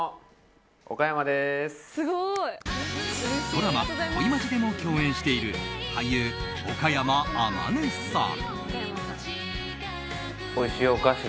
ドラマ「恋マジ」でも共演している俳優・岡山天音さん。